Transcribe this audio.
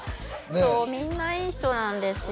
そうみんないい人なんですよ